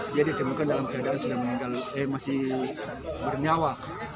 dia ditemukan dalam keadaan sudah masih bernyawa